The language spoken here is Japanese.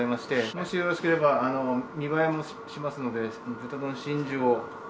もしよろしければ見栄えもしますので豚丼真珠を召し上がって。